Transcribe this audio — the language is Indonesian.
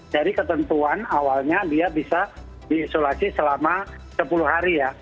jadi ketentuan awalnya dia bisa di isolasi selama sepuluh hari ya